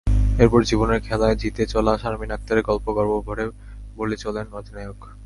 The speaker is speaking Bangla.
এরপর জীবনের খেলায় জিতে চলা শারমিন আক্তারের গল্প গর্বভরে বলে চলেন অধিনায়ক।